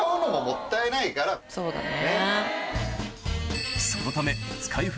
そうだね。